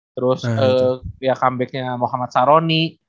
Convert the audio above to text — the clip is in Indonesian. terus ya comebacknya mohamad saroni